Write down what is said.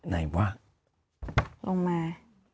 ไหนวะลงมา